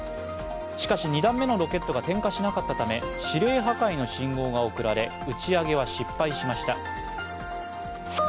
しかし、２段目のロケットが点火しなかったため、指令破壊の信号が送られ打ち上げは失敗しました。